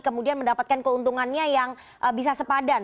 kemudian mendapatkan keuntungannya yang bisa sepadan